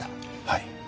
はい。